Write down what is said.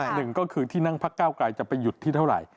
หนึ่งก็คือที่นั่งพักเก้าไกลจะไปหยุดที่เท่าไหร่